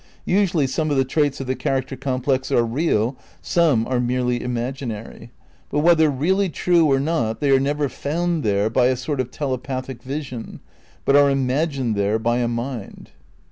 Usually some of the traits of the character complex are real, some are merely imaginary. But whether really true or not they are never found there by a sort of telepathic vision, but are imagined there by a mind."